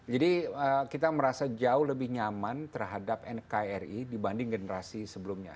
jadi kita merasa jauh lebih nyaman terhadap nkri dibanding generasi sebelumnya